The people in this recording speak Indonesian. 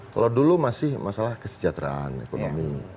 kalau dulu masih masalah kesejahteraan ekonomi